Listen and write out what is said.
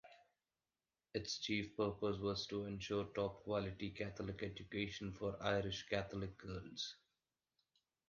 Its chief purpose was to ensure top-quality Catholic education for Irish Catholic girls.